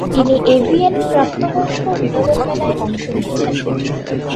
তিনি এভিএন প্রাপ্তবয়স্ক বিনোদন মেলায় অংশ নিয়েছেন।